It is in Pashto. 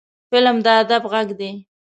فلم د ادب غږ دی